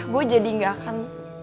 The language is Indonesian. gue jadi gak akan